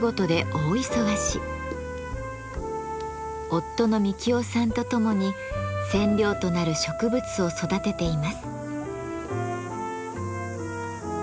夫の美樹雄さんとともに染料となる植物を育てています。